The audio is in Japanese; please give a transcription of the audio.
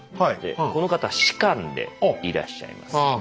この方士官でいらっしゃいます。